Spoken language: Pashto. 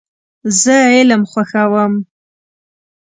زه علم خوښوم .